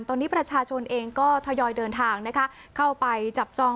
ตอนนี้ประชาชนเองก็ทยอยเดินทางนะคะเข้าไปจับจอง